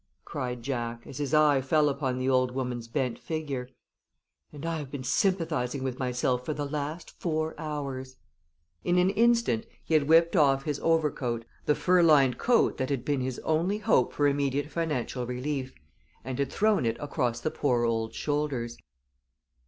cried Jack, as his eye fell upon the old woman's bent figure. "And I have been sympathizing with myself for the last four hours!" In an instant he had whipped off his overcoat the fur lined coat that had been his only hope for immediate financial relief and had thrown it across the poor old shoulders.